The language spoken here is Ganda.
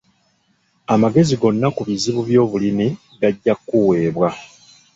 Amagezi gonna ku bizibu by'obulimi gajja kuweebwa.